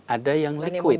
ada yang liquid